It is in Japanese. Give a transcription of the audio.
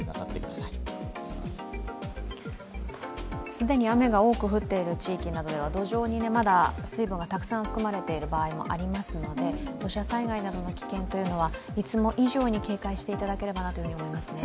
すでに雨が多く降っている地域などでは、土壌にまだ水分がたくさん含まれている場合もありますので、土砂災害などの危険はいつも以上に警戒していただければと思いますね。